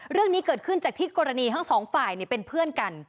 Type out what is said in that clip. เรื่องนี้เกิดขึ้นจากที่กรณีทั้งสองฝ่ายเป็นเพื่อนกัน